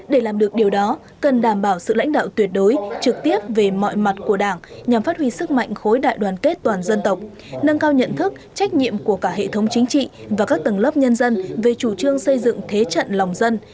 để làm được điều đó cần đảm bảo sự lãnh đạo tuyệt đối trực tiếp về mọi mặt của đảng nhằm phát huy sức mạnh khối đại đoàn kết toàn dân tộc nâng cao nhận thức trách nhiệm của cả hệ thống chính trị và các tầng lớp nhân dân về chủ trương xây dựng thế trận lòng dân